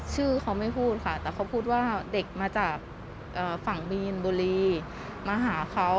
ชื่อเขาไม่พูดค่ะแต่เขาพูดว่าเด็กมาจากฝั่งมีนบุรีมาหาเขา